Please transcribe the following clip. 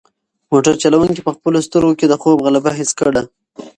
موټر چلونکی په خپلو سترګو کې د خوب غلبه حس کړه.